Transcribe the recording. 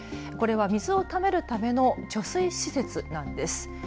これは水をためるための貯水施設なんです。